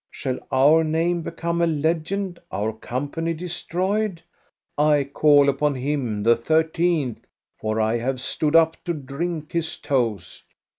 Shall our name become a legend, our company destroyed.? I call upon him, the thirteenth, for I have stood up to drink his toast.